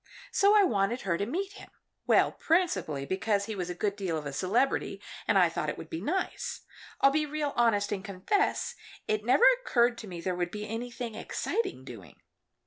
So I wanted her to meet him well, principally because he was a good deal of a celebrity, and I thought it would be nice. I'll be real honest and confess it never occurred to me there would be anything exciting doing.